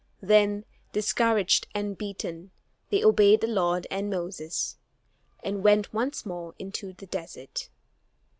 Then, discouraged and beaten, they obeyed the Lord and Moses, and went once more into the desert.